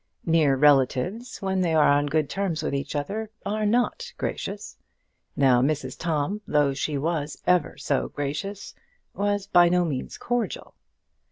Near relatives, when they are on good terms with each other, are not gracious. Now, Mrs Tom, though she was ever so gracious, was by no means cordial.